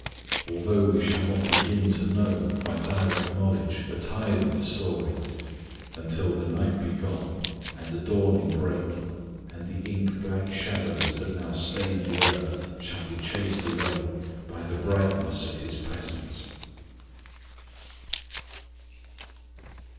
Although we shall not begin to know by direct knowledge a tithe of the story until the night be gone and the dawning break and the ink black shadows that now stain the earth shall be chased away by the brightness of His presence.